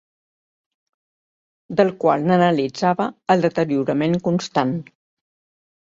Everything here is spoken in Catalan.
Del qual n'analitzava el deteriorament constant.